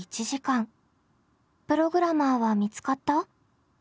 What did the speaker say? プログラマーは見つかった？